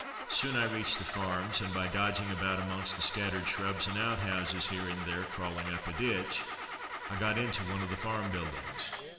Soon I reached the farms, and by dodging about amongst the scattered shrubs and out houses, here and there crawling up a ditch, I got into one of the farm buildings.